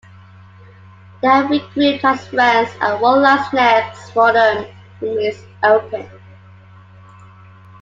They have regrouped as friends, and what lies next for them remains open.